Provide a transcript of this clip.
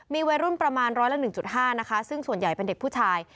มีวัยรุ่นประมาณร้อยละ๑๕นะคะซึ่งส่วนใหญ่เป็นเด็กผู้ชาย